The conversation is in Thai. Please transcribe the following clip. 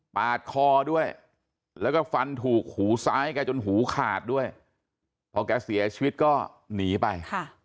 ปาดคอด้วยแล้วก็ฟันถูกหูซ้ายแกจนหูขาดด้วยพอแกเสียชีวิตก็หนีไป